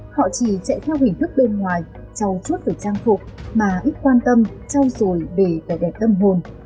họ chỉ chạy theo hình thức bên ngoài trâu chuốt về trang phục mà ít quan tâm trâu rùi về đẹp đẹp tâm lý